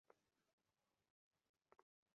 আমি তো এমন একটি শিশুও দেখি নাই, যে অসাধারণ নয়।